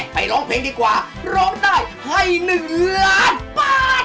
ไปร้องเพลงดีกว่าร้องได้ให้๑ล้านบาท